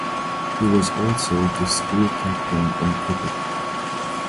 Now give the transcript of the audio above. He was also the school captain in Cricket.